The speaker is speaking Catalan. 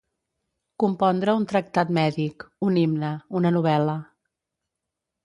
Compondre un tractat mèdic, un himne, una novel·la.